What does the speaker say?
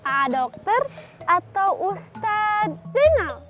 a dokter atau ustadz zainal